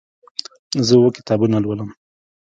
زه اووه کتابونه لولم.